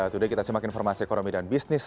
today kita simak informasi ekonomi dan bisnis